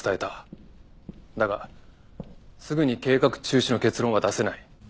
だがすぐに計画中止の結論は出せない。